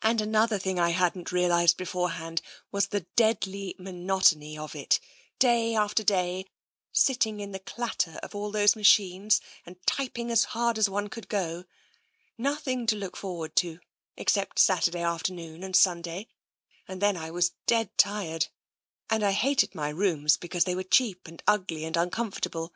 And another thing I hadn't real ised beforehand was the deadly monotony of it — day after day, sitting in the clatter of all those machines, and typing as hard as one could go. Nothing to TENSION 69 look forward to, except Saturday afternoon and Sun day, and then I was dead tired, and I hated my rooms, because they were cheap and ugly and uncomfortable.